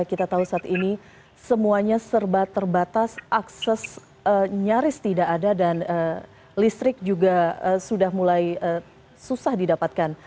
kita tahu saat ini semuanya serba terbatas akses nyaris tidak ada dan listrik juga sudah mulai susah didapatkan